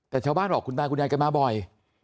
แต่ชาวบ้านบอกคุณตาคุณยายกันมาบ่อย